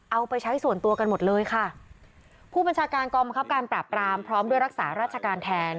เอาไปใช้ส่วนตัวกันหมดเลยค่ะผู้บัญชาการกองบังคับการปราบปรามพร้อมด้วยรักษาราชการแทน